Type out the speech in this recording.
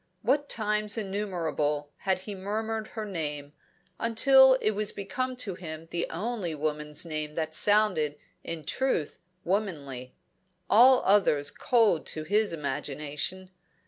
What times innumerable had he murmured her name, until it was become to him the only woman's name that sounded in truth womanly all others cold to his imagination.